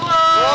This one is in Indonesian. buah buah ayam